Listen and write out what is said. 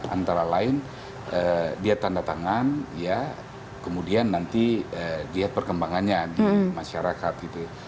antara lain dia tanda tangan kemudian nanti dia perkembangannya di masyarakat